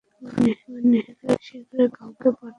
শীঘ্রই কাউকে পাঠাও, রাইটার।